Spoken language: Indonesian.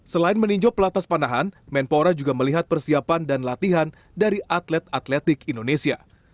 selain meninjau pelatas panahan menpora juga melihat persiapan dan latihan dari atlet atletik indonesia